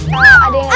kalau ada yang liat